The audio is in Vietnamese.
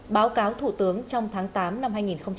báo cáo thủ tướng trong tháng tám năm hai nghìn một mươi sáu